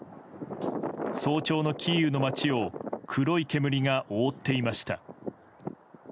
早朝のキーウの街を黒い煙が覆っていました。